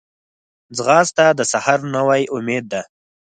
ځغاسته د سحر نوی امید ده